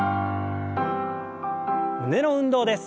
胸の運動です。